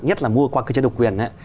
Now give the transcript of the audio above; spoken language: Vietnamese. nhất là mua qua cơ chế độc quyền ấy